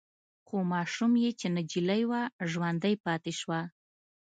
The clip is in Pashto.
خو ماشوم يې چې نجلې وه ژوندۍ پاتې شوه.